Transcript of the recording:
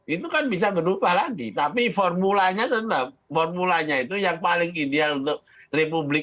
itu kan bisa berubah lagi tapi formulanya tetap formulanya itu yang paling ideal untuk republik